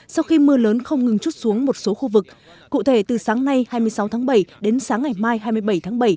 sau khi mưa lớn không ngừng chút xuống một số khu vực cụ thể từ sáng nay hai mươi sáu tháng bảy đến sáng ngày mai hai mươi bảy tháng bảy